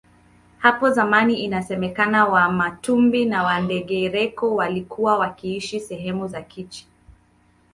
Hapo zamani inasemekana wamatumbi na wandengereko walikuwa wakiishi sehemu za Kichi